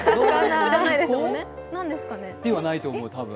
ではないと思う、多分。